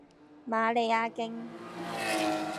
瑪利亞徑